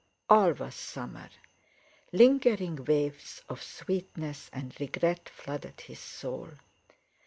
All was summer. Lingering waves of sweetness and regret flooded his soul.